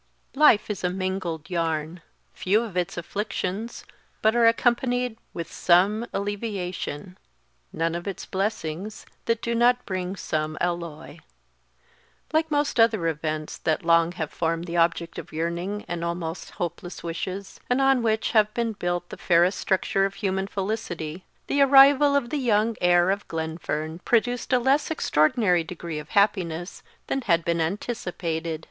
_ "LIFE is a mingled yarn;" few of its afflictions but are accompanied with some alleviation none of its blessings that do not bring some alloy. Like most other events that long have formed the object of yearning and almost hopeless wishes, and on which have been built the fairest structure of human felicity, the arrival of the young heir of Glenfern produced a less extraordinary degree of happiness than had been anticipated.